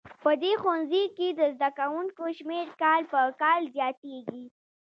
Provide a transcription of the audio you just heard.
په دې ښوونځي کې د زده کوونکو شمېر کال په کال زیاتیږي